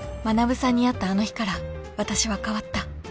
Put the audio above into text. ［学さんに会ったあの日から私は変わった］